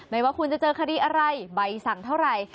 ไม่ว่าคุณจะเจอคดีอะไรใบสั่งเท่าไหร่